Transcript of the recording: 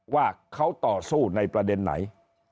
ว่าเขาต่อสู้ในประเด็นไหน